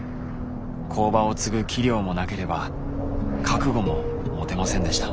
工場を継ぐ器量もなければ覚悟も持てませんでした。